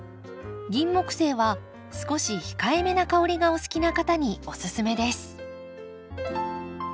ギンモクセイは少し控えめな香りがお好きな方におすすめです。